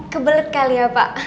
ke belet kali ya pak